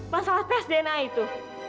masalah tes dna itu